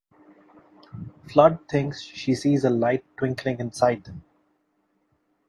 Flood thinks she sees a light twinkling inside them.